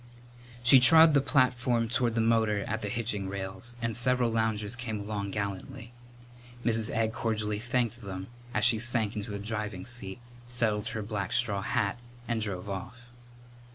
She trod the platform toward the motor at the hitching rails and several loungers came along gallantly. Mrs. Egg cordially thanked them as she sank into the driving seat, settled her black straw hat, and drove off.